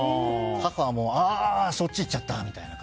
あとは、ああそっち行っちゃったみたいな。